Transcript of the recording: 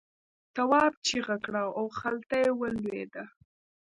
تواب چیغه کړه او خلته یې ولوېده.